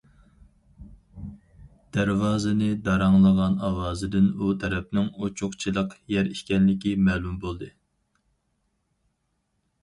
دەرۋازىنى داراڭلىغان ئاۋازىدىن ئۇ تەرەپنىڭ ئوچۇقچىلىق يەر ئىكەنلىكى مەلۇم بولدى.